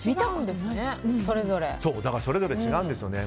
それぞれ違うんですよね。